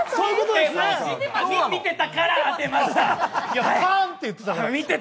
見てたから当てました！